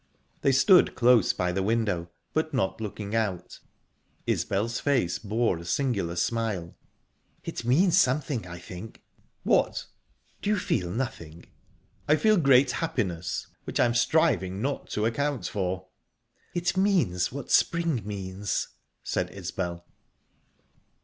They stood close by the window, but not looking out. Isbel's face bore a singular smile. "It means something, I think." "What?" "Do you feel nothing?" "I feel great happiness, which I am striving not to account for." "It means what spring means," said Isbel.